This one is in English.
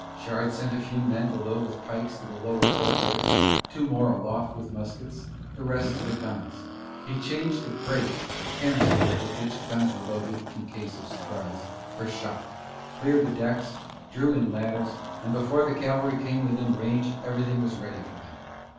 Shard sent a few men below with pikes to the lower port holes, two more aloft with muskets, the rest to the guns, he changed the "grape" or "canister" with which the guns were loaded in case of surprise, for shot, cleared the decks, drew in ladders, and before the cavalry came within range everything was ready for them.